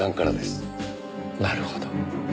なるほど。